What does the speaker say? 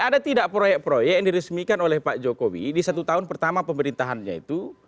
ada tidak proyek proyek yang diresmikan oleh pak jokowi di satu tahun pertama pemerintahannya itu